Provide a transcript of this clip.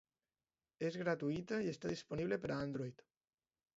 És gratuïta i està disponible per a Android.